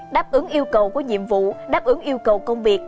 đáp ứng yêu cầu của nhiệm vụ đáp ứng yêu cầu công việc